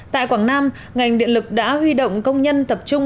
tại quảng nam ngành điện lực đã huy động công nhân tập trung